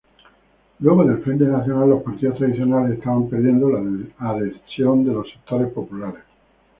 Luego del Frente Nacional, los partidos tradicionales estaban perdiendo la adhesión de sectores populares.